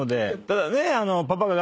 ただね。